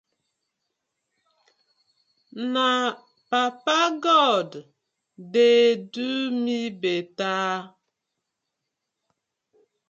Na papa god dey do mi better.